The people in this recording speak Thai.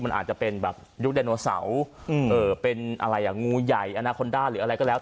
มันอาจจะเป็นแบบยุคไดโนเสาร์เป็นอะไรอ่ะงูใหญ่อนาคอนด้าหรืออะไรก็แล้ว